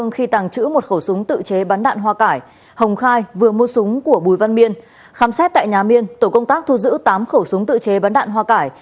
khám xét tại nhà miên tổ công tác thu giữ tám khẩu súng tự chế bắn đạn hoa cải